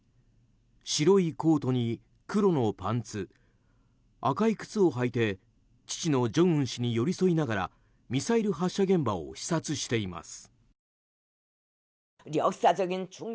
白いコートに黒のパンツ赤い靴を履いて父の正恩氏に寄り添いながらミサイル発射現場を視察しています。